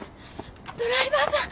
ドライバーさん。